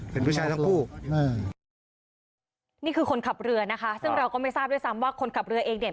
เป็นผู้ชายทั้งคู่นี่คือคนขับเรือนะคะซึ่งเราก็ไม่ทราบด้วยซ้ำว่าคนขับเรือเองเนี่ย